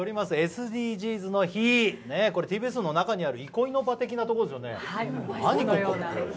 「ＳＤＧｓの日」、これはＴＢＳの中にある憩いの場的なところですよね、何ここ？